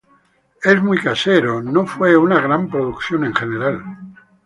Es muy casero, no fue una gran producción en general".